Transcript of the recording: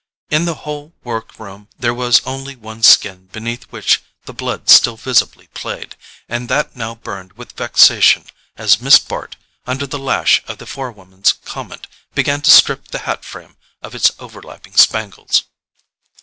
In the whole work room there was only one skin beneath which the blood still visibly played; and that now burned with vexation as Miss Bart, under the lash of the forewoman's comment, began to strip the hat frame of its over lapping spangles.